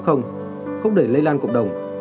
không để lây lan cộng đồng